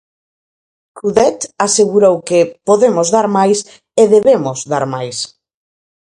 Coudet asegurou que "podemos dar máis e debemos dar máis".